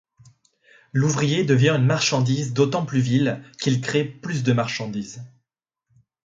L'ouvrier devient une marchandise d'autant plus vile qu'il crée plus de marchandises.